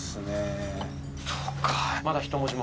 そっか。